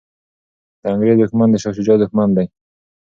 د انګریز دښمن د شاه شجاع دښمن دی.